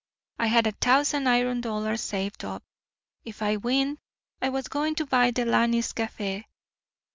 I had a t'ousand iron dollars saved up. If I winned I was goin' to buy Delaney's café.